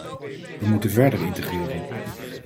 We moeten verder integreren.